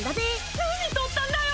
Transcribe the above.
何撮ったんだよ？